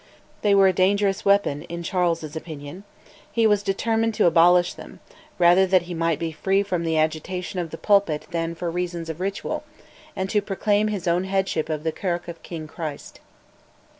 They were a dangerous weapon, in Charles's opinion: he was determined to abolish them, rather that he might be free from the agitation of the pulpit than for reasons of ritual, and to proclaim his own headship of the Kirk of "King Christ."